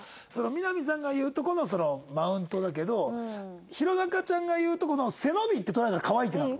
みな実さんが言うとこのそのマウントだけど弘中ちゃんが言うとこの背伸びって捉えたら可愛いってなる？